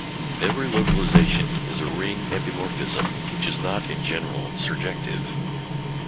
Every localization is a ring epimorphism, which is not, in general, surjective.